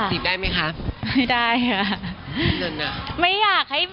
ตีบได้มั้ยคะ